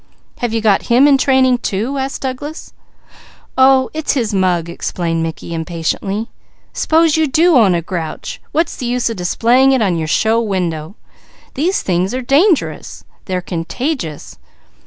"Have you got him in training too?" asked Douglas. "Oh it's his mug," explained Mickey impatiently. "S'pose you do own a grouch, what's the use of displaying it in your show window? Those things are dangerous. They're contagious.